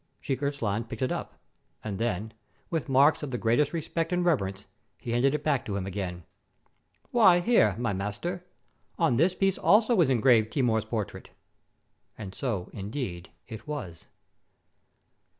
Sheik Irzlan picked it up, and then, with marks of the greatest respect and reverence, he handed it back to him again. "Why, here, my master, on this piece also is engraved Timur's portrait!" And so, indeed, it was.